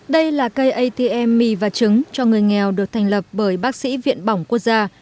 đây là cây atm mì và trứng cho người nghèo được thành lập bởi bác sĩ viện bỏng quốc gia